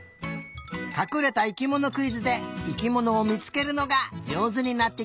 かくれた生きものクイズで生きものをみつけるのがじょうずになってきたね！